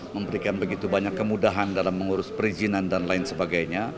memberikan begitu banyak kemudahan dalam mengurus perizinan dan lain sebagainya